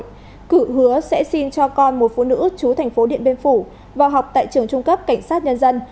cử hứa sẽ xin cho con một phụ nữ chú thành phố điện biên phủ vào học tại trường trung cấp cảnh sát nhân dân